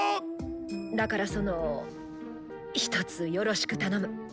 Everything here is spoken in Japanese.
だからそのひとつよろしく頼む。